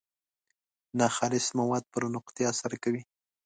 ناخالص مواد پر نقطې اثر کوي.